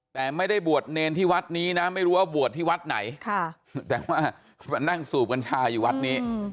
แต่ไม่ได้บวชเนรที่วัดนี้นะไม่รู้ว่าบวชที่วัดไหนแต่ว่ามานั่งสูบกัญชาอยู่วัดนี้